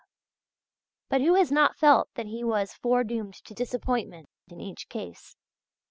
But who has not felt that he was foredoomed to disappointment in each case?